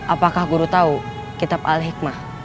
apakah guru tahu kitab al hikmah